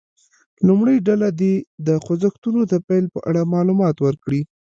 لومړۍ ډله دې د خوځښتونو د پیل په اړه معلومات ورکړي.